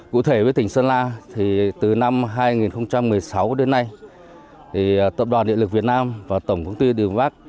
cụ thể với tỉnh sơn la từ năm hai nghìn một mươi sáu đến nay tổng đoàn điện lực miền nam và tổng công ty điện lực miền bắc